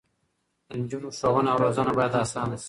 د نجونو ښوونه او روزنه باید اسانه شي.